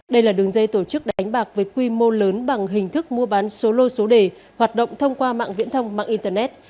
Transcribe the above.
đây là đường dây tổ chức đánh bạc với quy mô lớn bằng hình thức mua bán solo số đề hoạt động thông qua mạng viễn thông mạng internet